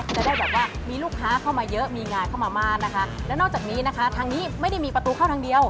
จะได้แบบว่ามีลูกค้าเข้ามาเยอะมีงานเข้ามามากนะคะแล้วนอกจากนี้นะคะทางนี้ไม่ได้มีประตูเข้าทางเดียว